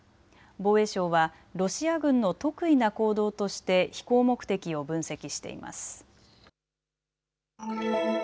防衛省はロシア軍の特異な行動として飛行目的を分析しています。